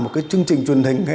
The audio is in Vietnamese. một chương trình truyền hình